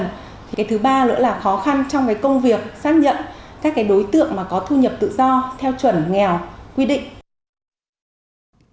thì cái thứ ba nữa là khó khăn trong cái công việc xác nhận các cái đối tượng mà có thu nhập tự do theo chuẩn nghèo quy định